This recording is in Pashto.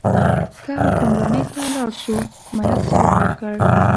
که حکمرانۍ ته لاړ شو، ملک ځواب ورکړ.